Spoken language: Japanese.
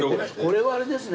これはあれですね。